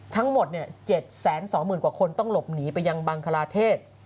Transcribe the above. ทั้งหมด๗๒๐๐๐กว่าคนต้องหลบหนีไปยังบังคลาเทศ